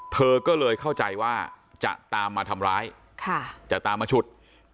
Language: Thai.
เธอก็เลยเข้าใจว่าจะตามมาทำร้ายจะตามมาฉุด